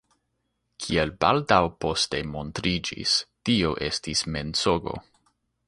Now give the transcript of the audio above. Kiel baldaŭ poste montriĝis, tio estis mensogo.